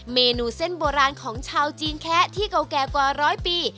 เมนูเส้นโบราณของชาวจีนแคะที่เก่าแก่กว่าร้อยปี